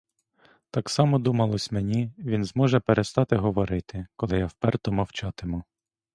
Так само, думалось мені, він зможе перестати говорити, коли я вперто мовчатиму.